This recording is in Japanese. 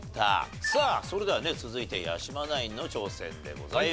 さあそれではね続いて八嶋ナインの挑戦でございます。